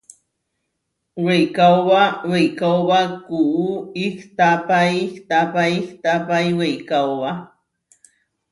Weikaóba weikaóba kuú ihtapái ihtapái ihtapái weikaóba.